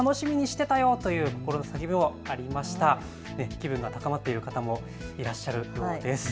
気分が高まっている方もいらっしゃるようです。